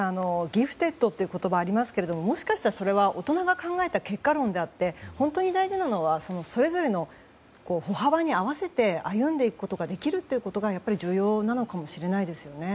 ギフテッドという言葉がありますけどもしかしたら、それは大人が考えた結果論であって本当に大事なのはそれぞれの歩幅に合わせて歩んでいくことができるということが重要なのかもしれないですね。